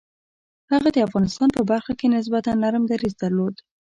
هغه د افغانستان په برخه کې نسبتاً نرم دریځ درلود.